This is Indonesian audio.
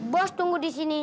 bos tunggu di sini